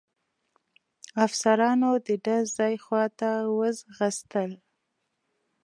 افسرانو د ډز ځای خواته وځغستل.